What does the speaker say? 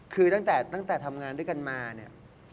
คือตั้งแต่ทำงานด้วยกันมาเนี่ย